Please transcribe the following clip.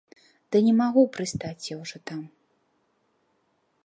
Ды не магу прыстаць я ўжо там.